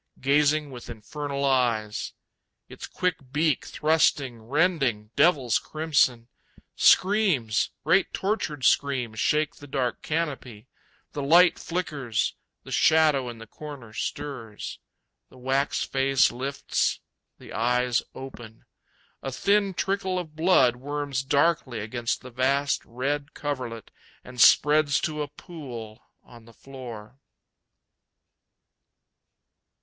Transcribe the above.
Gazing with infernal eyes. Its quick beak thrusting, rending, devil's crimson... Screams, great tortured screams shake the dark canopy. The light flickers, the shadow in the corner stirs; The wax face lifts; the eyes open. A thin trickle of blood worms darkly against the vast red coverlet and spreads to a pool on the floor.